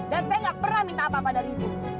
dan saya gak pernah minta apa apa dari ibu